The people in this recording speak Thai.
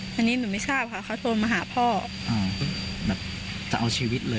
เชียวชีวิตเลยใช่ไหมค่ะค่ะ